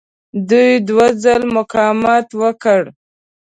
دوی دوه ځله مقاومت وکړ.